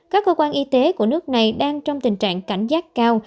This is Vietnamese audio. các cơ quan y tế của nước này đang trong tình trạng cảnh giác cao